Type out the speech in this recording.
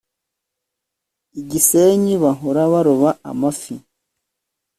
igisenyi bahora baroba amafi